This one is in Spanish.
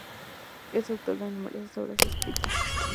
Es autor de numerosas obras escritas.